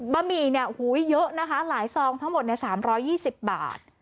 บะหมี่นี่เยอะนะคะหลายซองทั้งหมด๓๒๐บาท